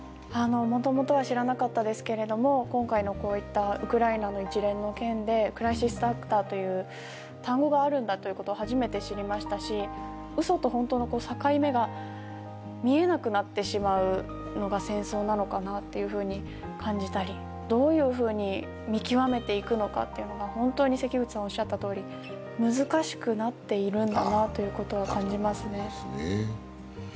元々は知らなかったですけれども今回のこういったウクライナの一連の件でクライシスアクターという単語があるんだということを初めて知りましたし嘘とホントの境目が見えなくなってしまうのが戦争なのかなっていうふうに感じたりどういうふうに見極めていくのかっていうのが本当に関口さんおっしゃったとおり難しくなっているんだなということは感じますねだと思いますね